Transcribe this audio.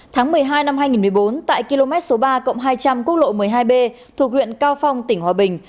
tháng một mươi hai năm hai nghìn một mươi bốn tại km số ba hai trăm linh quốc lộ một mươi hai b thuộc huyện cao phong tỉnh hòa bình